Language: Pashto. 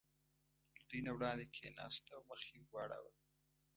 له دوی نه وړاندې کېناست او مخ یې ور واړاوه.